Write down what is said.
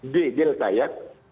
d delta ya